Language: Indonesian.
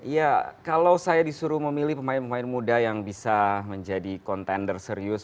ya kalau saya disuruh memilih pemain pemain muda yang bisa menjadi kontender serius